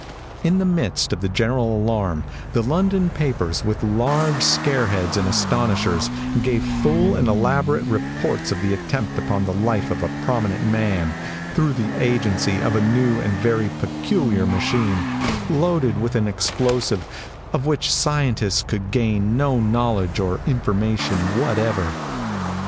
In the midst of the general alarm, the London papers, with large scare heads and astonishers, gave full and elaborate reports of the attempt upon the life of a prominent man, through the agency of a new and very peculiar machine, loaded with an explosive, of which scientists could gain no knowledge or information whatever.